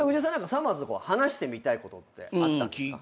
さまぁずと話してみたいことってあったんですか？